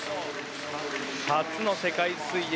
初の世界水泳。